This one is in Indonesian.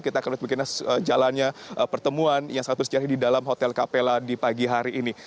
kita akan lihat mungkin jalannya pertemuan yang sangat bersejarah di dalam hotel capella di pagi hari ini